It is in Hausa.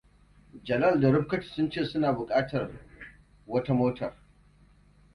Jalal da Rifkatu sun ce suna da bukatar wata motar.